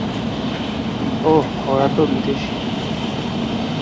ওহ, ওরা তো বিদেশী।